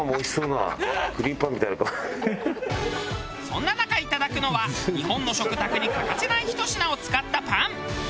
そんな中いただくのは日本の食卓に欠かせないひと品を使ったパン。